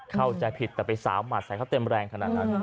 เข้าใจผิดแต่ไปสาวหมัดใส่เขาเต็มแรงขนาดนั้น